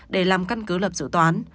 để làm căn cứ lập dự toán